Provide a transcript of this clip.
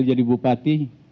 saya jadi bupati